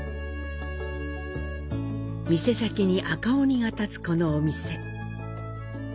店先に赤鬼が立つこのお店。